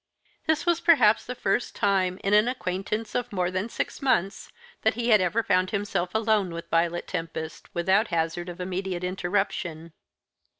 This was perhaps the first time, in an acquaintance of more than six months, that he had ever found himself alone with Violet Tempest, without hazard of immediate interruption.